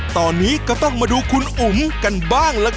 ตอนนี้ก็ต้องมาดูคุณอุ๋มกันบ้างล่ะครับ